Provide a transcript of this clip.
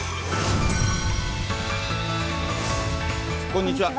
こんにちは。